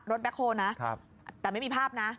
แบ็คโฮลนะแต่ไม่มีภาพนะ